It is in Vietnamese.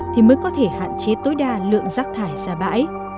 thì mới có thể hạn chế tối đa lượng rác thải ra bãi